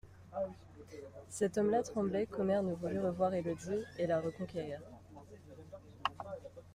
Cet homme-là tremblait qu'Omer ne voulût revoir Élodie, et la reconquérir.